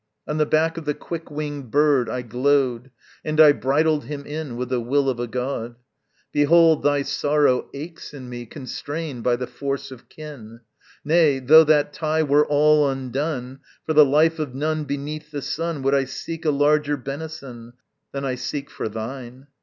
On the back of the quick winged bird I glode, And I bridled him in With the will of a god. Behold, thy sorrow aches in me Constrained by the force of kin. Nay, though that tie were all undone, For the life of none beneath the sun Would I seek a larger benison Than I seek for thine.